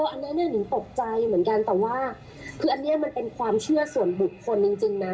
อันนี้เนี่ยนิงตกใจเหมือนกันแต่ว่าคืออันนี้มันเป็นความเชื่อส่วนบุคคลจริงนะ